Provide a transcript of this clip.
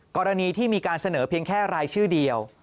กรณีที่มีการเสนอเพียงแค่รายชื่อเดียว